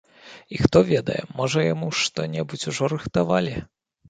І хто ведае, можа яму што-небудзь ужо рыхтавалі.